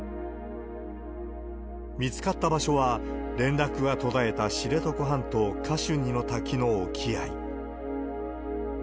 見つかった場所は、連絡が途絶えた知床半島カシュニの滝の沖合。